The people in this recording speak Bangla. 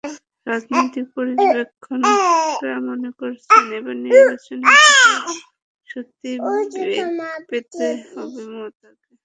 রাজনৈতিক পর্যবেক্ষকেরা মনে করছেন, এবার নির্বাচনে জিততে সত্যিই বেগ পেতে হবে মমতাকে।